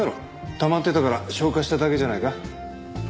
たまってたから消化しただけじゃないか？